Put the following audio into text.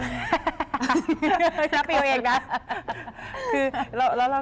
นักร้องเพลงเองนะ